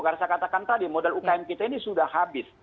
karena saya katakan tadi modal ukm kita ini sudah habis